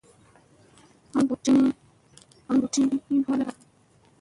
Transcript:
A mi buu ti, hin hot gaya.